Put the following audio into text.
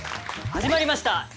始まりました